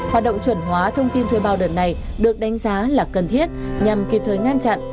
hoạt động chuẩn hóa thông tin thuê bao đợt này được đánh giá là cần thiết nhằm kịp thời ngăn chặn